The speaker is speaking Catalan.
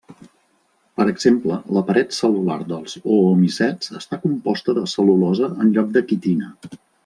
Per exemple la paret cel·lular dels oomicets està composta de cel·lulosa en lloc de quitina.